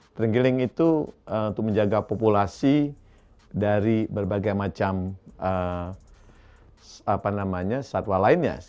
terenggiling itu untuk menjaga populasi dari berbagai macam satwa lainnya